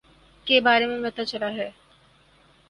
کے بارے میں پتا چلا ہے